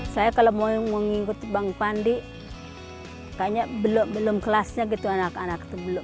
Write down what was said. saya kalau mau ngikut bang pandi kayaknya belum kelasnya gitu anak anak itu belum